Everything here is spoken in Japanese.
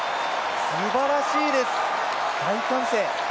すばらしいです、大歓声。